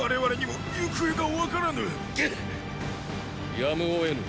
やむをえぬ。